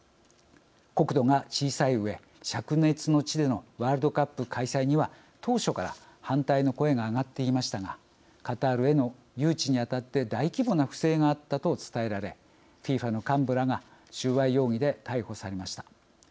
国土が小さいうえしゃく熱の地でのワールドカップ開催には当初から反対の声が上がっていましたがカタールへの誘致にあたって大規模な不正があったと伝えられＦＩＦＡの幹部らが収賄容疑で逮捕されました。